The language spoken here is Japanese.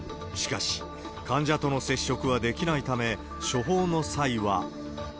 しかし、患者との接触はできないため、処方の際は。